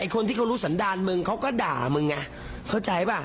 กลัวจะถูกไม่กล้าถ่าย